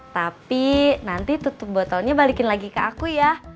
tapi nanti tutup botolnya balikin lagi ke aku ya